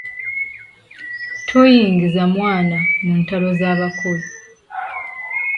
Toyingiza mwana mu ntalo z'abakulu.